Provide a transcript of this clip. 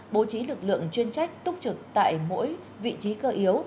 bố trí lực lượng chuyên trách túc trực tại mỗi vị trí cơ yếu